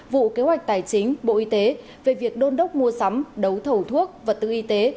vụ kế hoạch tài chính bộ y tế về việc đôn đốc mua sắm đấu thầu thuốc vật tư y tế